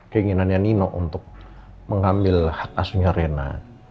keinginannya nino untuk mengambil hatasnya rena